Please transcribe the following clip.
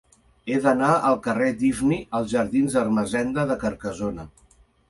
He d'anar del carrer d'Ifni als jardins d'Ermessenda de Carcassona.